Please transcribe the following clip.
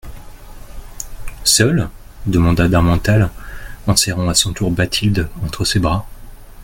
Seul ? demanda d'Harmental en serrant à son tour Bathilde entre ses bras.